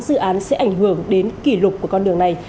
dự án sẽ ảnh hưởng đến kỷ lục của con đường này